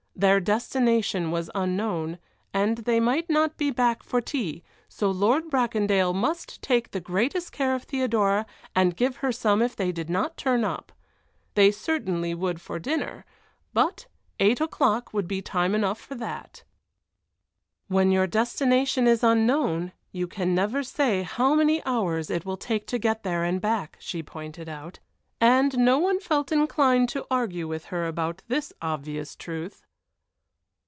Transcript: Their destination was unknown, and they might not be back for tea, so Lord Bracondale must take the greatest care of Theodora and give her some if they did not turn up. They certainly would for dinner, but eight o'clock would be time enough for that. When your destination is unknown you can never say how many hours it will take to get there and back, she pointed out. And no one felt inclined to argue with her about this obvious truth!